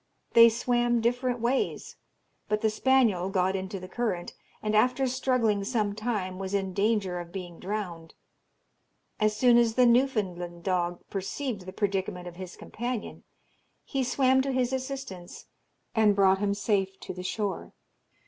They swam different ways, but the spaniel got into the current, and after struggling some time was in danger of being drowned. As soon as the Newfoundland dog perceived the predicament of his companion, he swam to his assistance, and brought him safe to the shore.